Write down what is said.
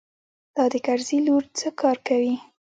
دا د کرزي لور څه کار کوي.